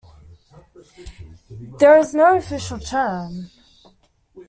There is no "official" term.